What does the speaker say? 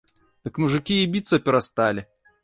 Дык мужыкі і біцца перасталі!